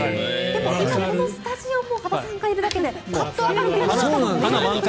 今、このスタジオも羽田さんがいるだけでパッと明るくなりましたもんね。